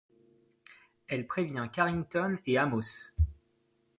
Elle prévient Carrington et Amos.